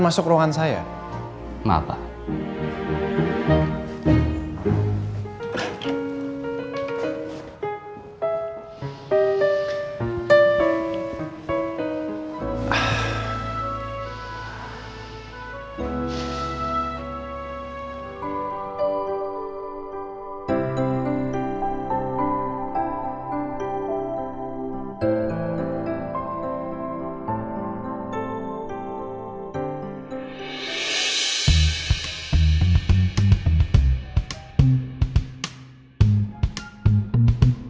jadi dia sama sekali